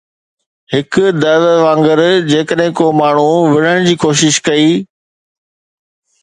هڪ دعوي وانگر جيڪڏهن ڪو ماڻهو وڙهڻ جي ڪوشش ڪئي